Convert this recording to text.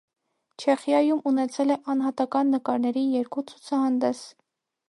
Չեխիայում ունեցել է անհատական նկարների երկու ցուցահանդես։